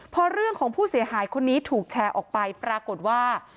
พอเรื่องของผู้เสียหายคนนี้ถูกแชร์ออกไปปรากฏว่า